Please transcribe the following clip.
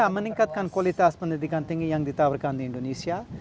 meningkatkan kualitas pendidikan tinggi yang ditawarkan di indonesia